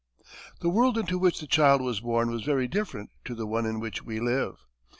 The world into which the child was born was very different to the one in which we live.